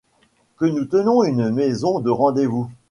que nous tenons une maison de rendez-vous !